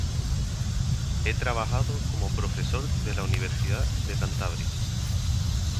Ha trabajado como profesor de la Universidad de Cantabria.